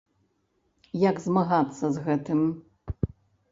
Як змагацца з гэтым?